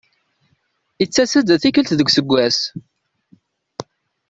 Ittas-d tikkelt deg useggas.